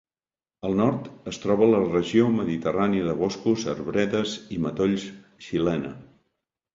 Al nord es troba la regió mediterrània de boscos, arbredes i matolls xilena.